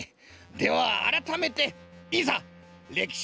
ではあらためていざれきし